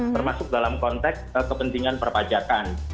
termasuk dalam konteks kepentingan perpajakan